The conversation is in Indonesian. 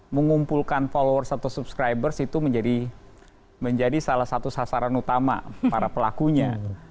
mengumpulkan followers atau subscribers itu menjadi salah satu sasaran utama para pelakunya